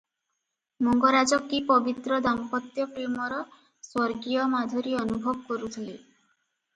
ମଙ୍ଗରାଜ କି ପବିତ୍ର ଦାମ୍ପତ୍ୟ ପ୍ରେମର ସ୍ୱର୍ଗୀୟମାଧୁରୀ ଅନୁଭବ କରୁଥିଲେ?